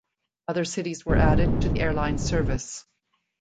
Other cities were added to the airline service.